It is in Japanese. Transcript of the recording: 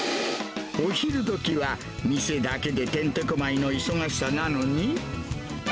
お昼どきは、店だけでてんてこまいの忙しさなのに。